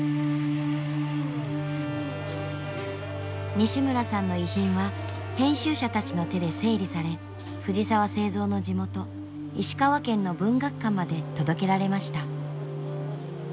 西村さんの遺品は編集者たちの手で整理され藤澤造の地元石川県の文学館まで届けられました。